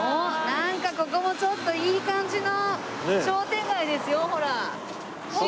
なんかここもちょっといい感じの商店街ですよほら。